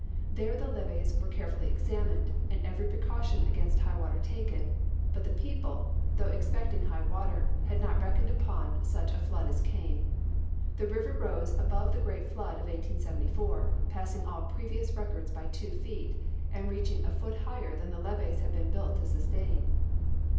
There the levees were carefully examined, and every precaution against high water taken. But the people, though expecting high water, had not reckoned upon such a flood as came. The river rose above the great flood of 1874, passing all previous records by two feet, and reaching a foot higher than the levees had been built to sustain.